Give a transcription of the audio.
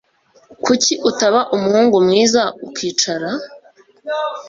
Kuki utaba umuhungu mwiza ukicara?